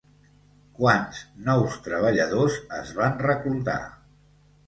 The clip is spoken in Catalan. Quants nous treballadors es van reclutar?